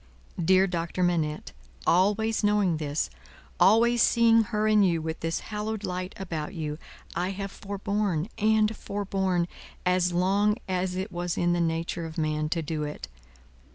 "Dear Doctor Manette, always knowing this, always seeing her and you with this hallowed light about you, I have forborne, and forborne, as long as it was in the nature of man to do it.